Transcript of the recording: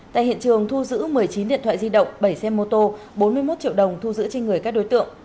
tại hiện trường thu giữ một mươi chín điện thoại di động bảy xe mô tô bốn mươi một triệu đồng thu giữ trên người các đối tượng